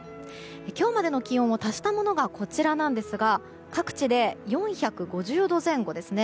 今日までの気温を足したものがこちらなんですが各地で４５０度前後ですね。